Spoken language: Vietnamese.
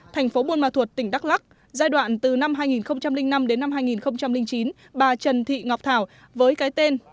thành phố buôn ma thuột tỉnh đắk lắc giai đoạn từ năm hai nghìn năm đến năm hai nghìn chín bà trần thị ngọc thảo với cái tên